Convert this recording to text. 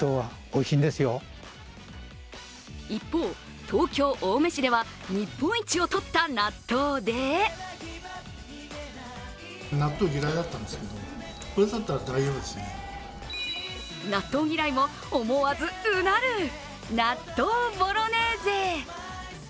一方、東京・青梅市では日本一をとった納豆で納豆嫌いも思わずうなる、納豆ボロネーゼ。